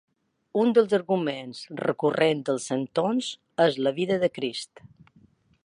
Un dels arguments recurrents dels centons és la vida de Crist.